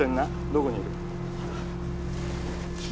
どこにいる？はあ？